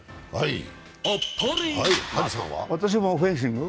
私もフェンシング。